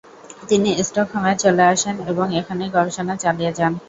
তিনি স্টকহোমে চলে আসেন এবং এখানেই গবেষণা চালিয়ে যান।